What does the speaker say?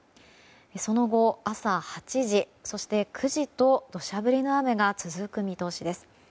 その後、朝８時そして９時と土砂降りの雨が続く見通しです。